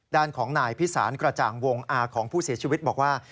ด้านของนายพิสารกระจ่างวงอาของผู้เสียชีวิตบอกว่า